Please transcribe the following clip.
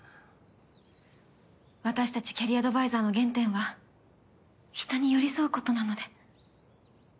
私たちキャリアアドバイザーの原点は人に寄り添うことなので。